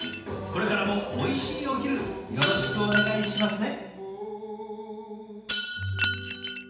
これからもおいしいお昼よろしくお願いしますね。